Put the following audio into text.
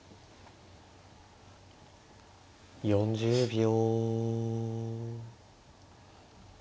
４０秒。